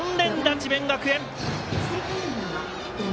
智弁学園。